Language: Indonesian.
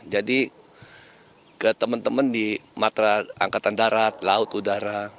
jadi ke temen temen di angkatan darat laut udara